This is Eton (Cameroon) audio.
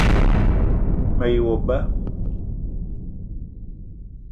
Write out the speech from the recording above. Me ye wo ba